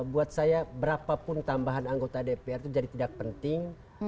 buat saya berapapun tambahan anggota dpr itu jadi tidak penting